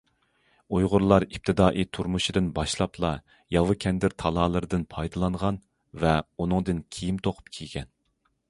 ئۇيغۇرلار ئىپتىدائىي تۇرمۇشىدىن باشلاپلا ياۋا كەندىر تالالىرىدىن پايدىلانغان ۋە ئۇنىڭدىن كىيىم توقۇپ كىيگەن.